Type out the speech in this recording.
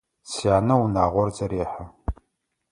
Сянэ унагъор зэрехьэ.